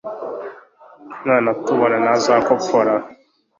nanatubona ntazakopfora